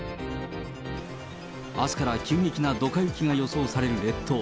あすから急激などか雪が予想される列島。